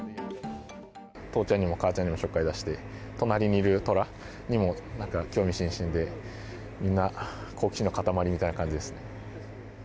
父ちゃんにも母ちゃんにもちょっかい出して、隣にいるトラにもなんか興味津々で、みんな好奇心の塊みたいな感じですね。